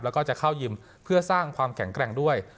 แล้วก็จะเข้ายิมเพื่อสร้างความแข็งแกร่งด้วย